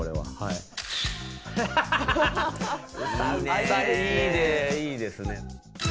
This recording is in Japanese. いいねいいですね。